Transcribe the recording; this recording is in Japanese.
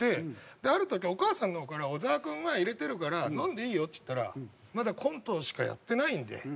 である時お母さんの方から「小沢君が入れてるから飲んでいいよ」って言ったら「まだコントしかやってないんで」。